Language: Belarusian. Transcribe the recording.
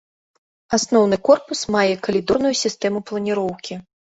Асноўны корпус мае калідорную сістэму планіроўкі.